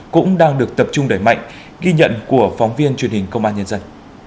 cũng đang được tập trung đẩy mạnh ghi nhận của phóng viên truyền hình công an nhân dân